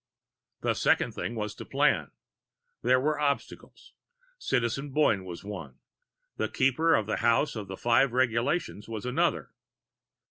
The second thing was to plan. There were obstacles. Citizen Boyne was one. The Keeper of the House of the Five Regulations was another.